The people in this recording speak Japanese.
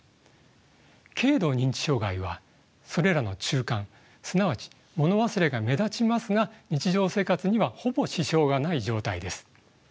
軽度認知障害はそれらの中間すなわちもの忘れが目立ちますが日常生活にはほぼ支障がない状態です。